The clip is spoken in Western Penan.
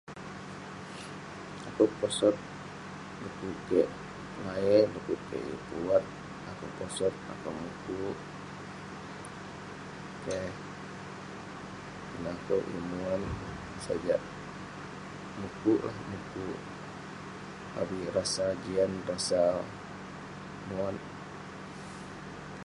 Akouk posot du'kuk keik nengayet, du'kuk kik yeng pun wat, akouk posot, akouk mukuk, keh..pongah peh yeng wat, sajak mukuk lah mukuk..avik rasa jian ,rasa muat..